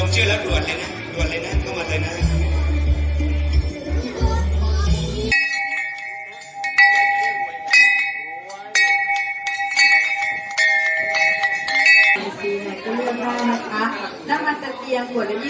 สวัสดีครับสวัสดีครับ